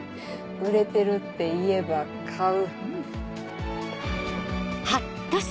売れてるって言えば買う。